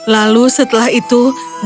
lalu setelah itu ellora mencintai pangeran